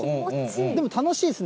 でも楽しいですね。